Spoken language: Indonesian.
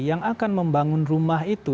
yang akan membangun rumah itu